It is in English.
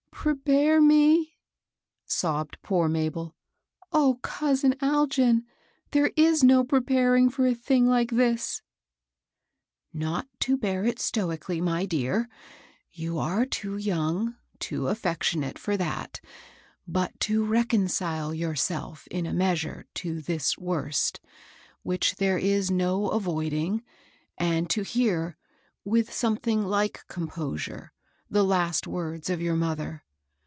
" Prepare me ?" sobbed poor MabeL *'.0 cous in Algin, there is no preparing for a thing like this!" '" Not to bear it stoically, my dear, — you are too young, too affectionate for that, — but to reconcile yourself^ in a measure, to this worst, which ther^ is no avoiding, and to hear, with something hke composure, the last words of your mother.